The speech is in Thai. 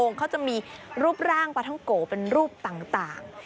เขาจะมีรูปร่างปลาท้องโกะเป็นรูปต่าง